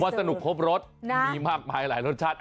สนุกครบรสมีมากมายหลายรสชาติ